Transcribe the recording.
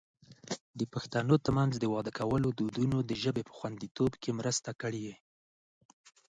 د پښتنو ترمنځ د واده کولو دودونو د ژبې په خوندیتوب کې مرسته کړې.